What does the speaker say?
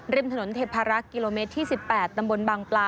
ริมถนนเทพารักษ์กิโลเมตรที่๑๘ตำบลบางปลา